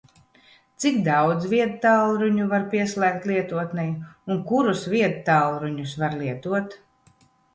Cik daudz viedtālruņu var pieslēgt lietotnei? Un kurus viedtālruņus var lietot?